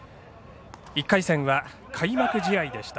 １回戦は開幕試合でした。